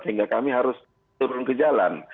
sehingga kami harus turun ke jalan